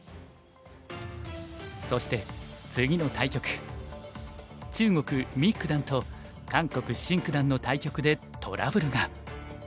そして次の対局中国九段と韓国シン九段の対局でトラブルが。